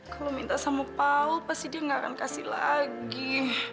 kalau minta sama paul pasti dia nggak akan kasih lagi